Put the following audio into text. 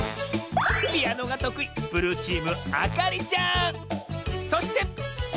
ピアノがとくいそして。